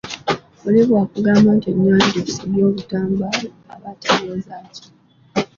Oli bw’akugamba nti ennyanja esibye obutambaala aba ategeeza ki?